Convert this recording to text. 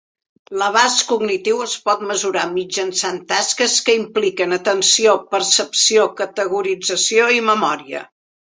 L'abast cognitiu es pot mesurar mitjançant tasques que impliquen atenció, percepció, categorització i memòria.